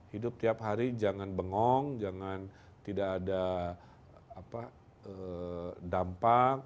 hidup tiap hari jangan bengong jangan tidak ada dampak